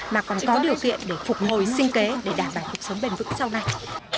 mà còn có điều kiện để phục hồi sinh kế để đảm bảo cuộc sống bền vững sau này